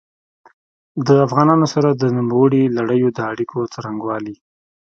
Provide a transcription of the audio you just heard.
د افغانانو سره د نوموړي لړیو د اړیکو څرنګوالي.